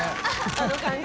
あの感じ。